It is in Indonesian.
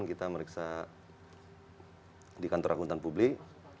kita meriksa di kantor akuntan publik